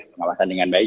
pengawasan dengan baik